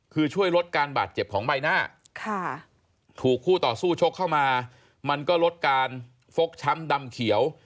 คือช่วยลดการบาดเจ็บของใบหน้าถูกคู่ต่อสู้ชกเข้ามามันก็ลดการฟกช้ำดำเขียว